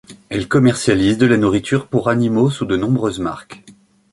Elle commercialise de la nourriture pour animaux sous de nombreuses marques.